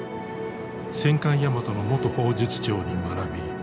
戦艦大和の元砲術長に学び